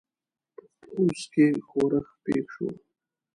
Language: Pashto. په پوځ کې ښورښ پېښ شو.